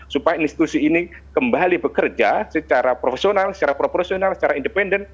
supaya institusi ini kembali bekerja secara profesional secara proporsional secara independen